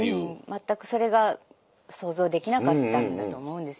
全くそれが想像できなかったんだと思うんですよね。